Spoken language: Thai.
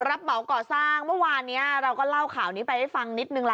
เหมาก่อสร้างเมื่อวานนี้เราก็เล่าข่าวนี้ไปให้ฟังนิดนึงละ